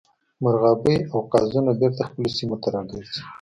مرغابۍ او قازونه بیرته خپلو سیمو ته راګرځي